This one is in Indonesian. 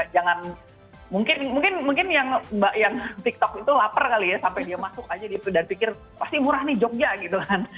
jangan mungkin mungkin yang tiktok itu lapar kali ya sampai dia masuk aja gitu dan pikir pasti murah nih jogja gitu kan